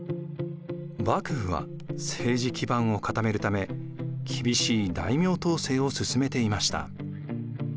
幕府は政治基盤を固めるため厳しい大名統制を進めていました。